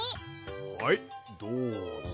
はいどうぞ。